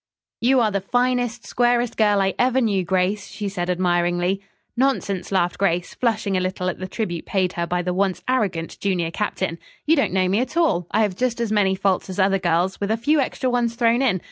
"You are the finest, squarest girl I ever knew, Grace," she said admiringly. "Nonsense," laughed Grace, flushing a little at the tribute paid her by the once arrogant junior captain. "You don't know me at all. I have just as many faults as other girls, with a few extra ones thrown in.